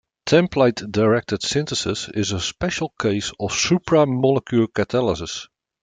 Template-directed synthesis is a special case of supramolecular catalysis.